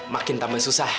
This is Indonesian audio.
makin tambah susah